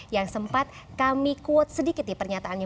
yang sempat kami quote sedikit nih pernyataannya